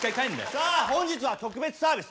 さあ本日は特別サービス。